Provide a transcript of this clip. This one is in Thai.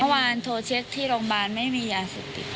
เมื่อวานโทรเช็คที่โรงพยาบาลไม่มียาเสพติด